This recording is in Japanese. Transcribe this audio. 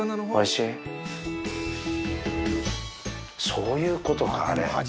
そういうことかあれ。